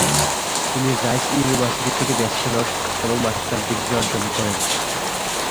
তিনি Rice University থেকে bachelors এবং মাস্টার্স ডিগ্রি অর্জন করেন।